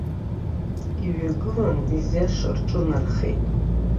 Иҩагылан изиаша рҿынархеит.